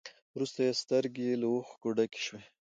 وروسته يې سترګې له اوښکو ډکې شوې.